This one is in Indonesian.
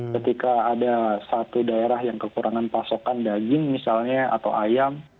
ketika ada satu daerah yang kekurangan pasokan daging misalnya atau ayam